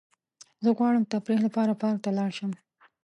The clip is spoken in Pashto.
زه غواړم تفریح لپاره پارک ته لاړ شم.